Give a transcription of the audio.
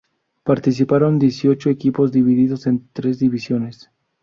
Participaron dieciocho equipos divididos en tres divisiones.